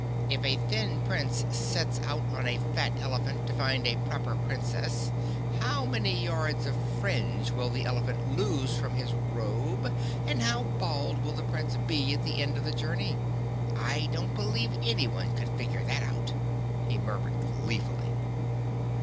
"If a thin Prince sets out on a fat elephant to find a Proper Princess, how many yards of fringe will the elephant lose from his robe and how bald will the Prince be at the end of the journey? I don't believe anyone could figure that out," he murmured gleefully.